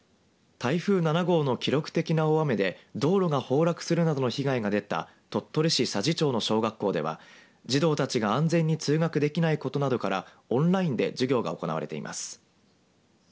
台風７号の記録的な大雨で道路が崩落するなどの被害が出た鳥取市佐治町の小学校では児童たちが安全に通学できないことなどからオンラインで授業が行われています。